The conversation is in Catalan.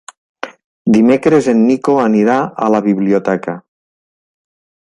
Dimecres en Nico anirà a la biblioteca.